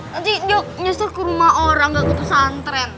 nanti dia nyusul ke rumah orang gak ke pesantren